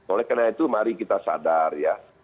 oleh karena itu mari kita sadar ya